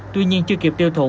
tuy nhiên chưa kịp tiêu thụ